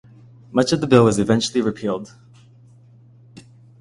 Much of the bill eventually was repealed.